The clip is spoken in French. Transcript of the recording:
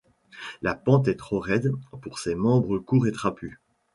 La pente est trop raide pour ses membres courts et trapus.